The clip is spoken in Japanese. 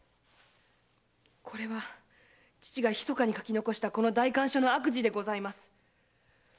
これは父が秘かに書き残したこの代官所の悪事でございます。